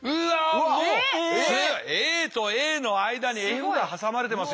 もうＡとＡの間にＦが挟まれてますよ。